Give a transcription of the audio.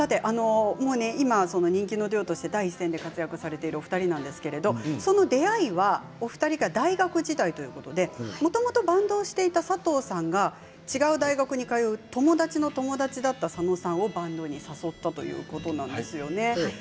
今、人気のデュオとして第一線で活躍されているお二人なんですけど出会いはお二人が大学時代ということでもともとバンドをしていた佐藤さんが違う大学に通う友達の友達だった佐野さんをバンドに誘ったということなんですよね。